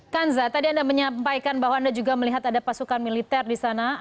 kanza tadi anda menyampaikan bahwa anda juga melihat ada pasukan militer di sana